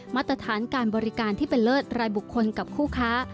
มาตรฐานการบริการที่เป็นเลิศรายบุคคลกับคู่ค้า